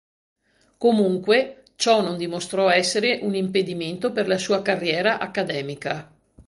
Comunque, ciò non dimostrò essere un impedimento per la sua carriera accademica.